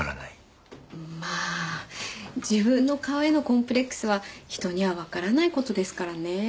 まあ自分の顔へのコンプレックスは人にはわからない事ですからねぇ。